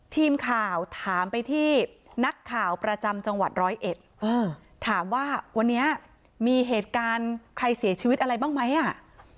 ทีมข่าวถามไปที่นักข่าวประจำจังหวัดร้อยเอ็ดถามว่าวันนี้มีเหตุการณ์ใครเสียชีวิตอะไรบ้างไหมอ่ะ